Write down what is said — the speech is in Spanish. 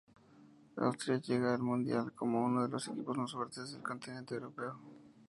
Austria llegaba al Mundial como uno de los equipos más fuertes del continente europeo.